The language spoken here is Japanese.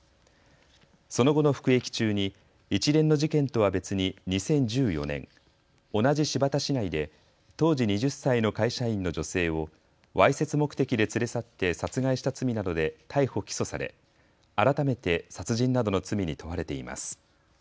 その後の服役中に、一連の事件とは別に、２０１４年、同じ新発田市内で当時２０歳の会社員の女性を、わいせつ目的で連れ去って殺害した罪などで逮捕・起訴され、改めて殺人などの罪に問われています。